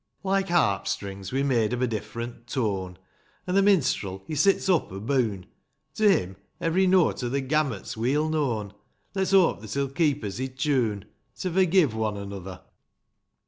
Like harp strings, we're made of a different tone, And the minstrel, he sits up aboon ; To him every note of the gamut's weel known, Let's hope that he'll keep us i' tune, To forgive one another